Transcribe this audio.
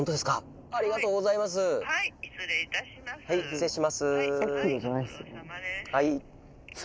失礼しますはい。